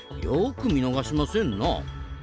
よく見逃しませんな。